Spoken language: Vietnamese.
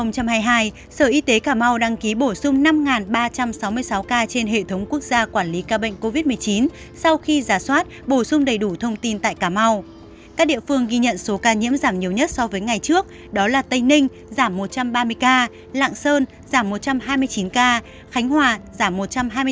các địa phương ghi nhận số ca nhiễm giảm nhiều nhất so với ngày trước đó là tây ninh giảm một trăm ba mươi ca lạng sơn giảm một trăm hai mươi chín ca khánh hòa giảm một trăm hai mươi bốn ca